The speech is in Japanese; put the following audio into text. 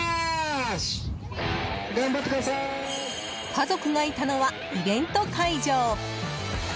家族がいたのはイベント会場。